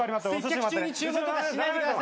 接客中注文しないで。